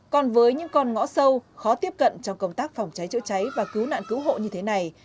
còn với những con ngõ sâu khó tiếp cận trong công tác phòng cháy chữa cháy và cứu nạn cứu hộ như thế này